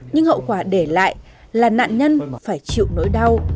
nhưng hậu quả để lại là nạn nhân phải chịu nỗi đau